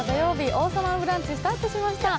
「王様のブランチ」スタートしました。